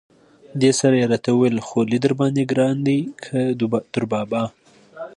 دې سره یې را ته وویل: خولي درباندې ګران دی که دوربابا.